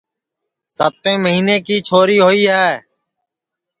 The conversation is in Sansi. ساتیں مہینے کی چھوری ہوئی ہے